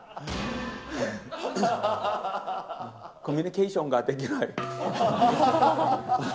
コミュニケーションができない。